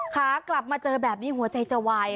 ขากลับมาเจอแบบนี้หัวใจจะวาย